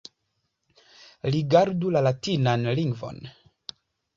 Rigardu la latinan lingvon.